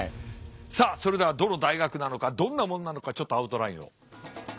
さあそれではどの大学なのかどんなもんなのかちょっとアウトラインを。